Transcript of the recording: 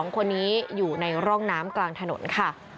๒คนนี้อยู่ในร่องน้ำกลางถนนค่ะ